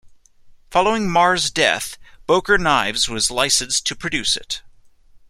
Following Mar's death, Boker Knives was licensed to produce it.